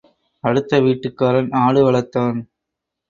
அடுத்த வீட்டுக்காரன் ஆடு வளர்த்தான்.